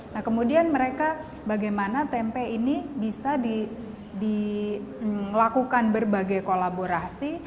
nah kemudian mereka bagaimana tempe ini bisa dilakukan berbagai kolaborasi